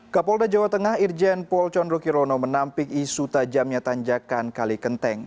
kapolda jawa tengah irjen paul condro quirono menampik isu tajamnya tanjakan kali kenteng